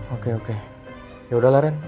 oke oke yaudah lah ren